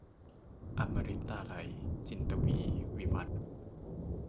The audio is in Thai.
อมฤตาลัย - จินตวีร์ วิวัธน์